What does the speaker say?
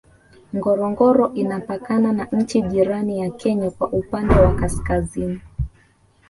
Ngorongoro inapakana na nchi jirani ya Kenya kwa upande wa Kaskazini